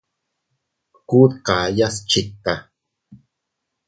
Kuu dkayas chikta.